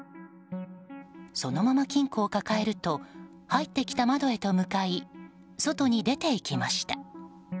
そのまま金庫を抱えると入ってきた窓へと向かい外に出て行きました。